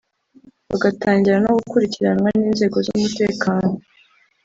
bagatangira no gukurikiranwa n’inzego z’umutekano